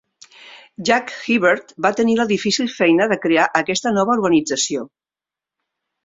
Jack Hibbert va tenir la difícil feina de crear aquesta nova organització.